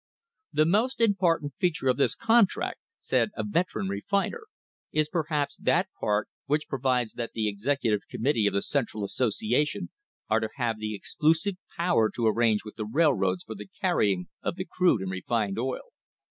/' "The most important feature of this contract," said a "vet eran refiner," "is perhaps that part which provides that the Executive Committee of the Central Association are to have the exclusive power to arrange with the railroads for the carrying of the crude and refined oil.